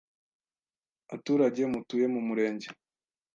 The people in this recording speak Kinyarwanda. aturage mutuye mu Murenge